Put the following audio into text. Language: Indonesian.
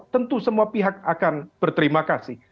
tentu semua pihak akan berterima kasih